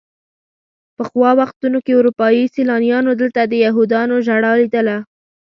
پخوا وختونو کې اروپایي سیلانیانو دلته د یهودیانو ژړا لیدله.